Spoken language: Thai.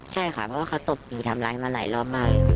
ใช่ค่ะเพราะว่าเขาตบตีทำร้ายมาหลายรอบมากเลย